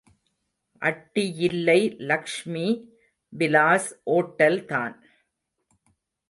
அட்டியில்லை Lakshmi Vilas hotel தான்!